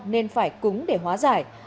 nên phải cúng để hóa giải